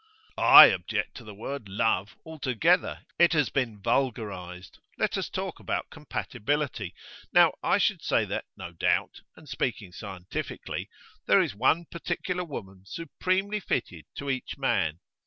'I object to the word "love" altogether. It has been vulgarised. Let us talk about compatibility. Now, I should say that, no doubt, and speaking scientifically, there is one particular woman supremely fitted to each man.